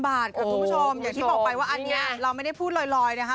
อย่างที่บอกไปว่าอันนี้เราไม่ได้พูดลอยนะคะ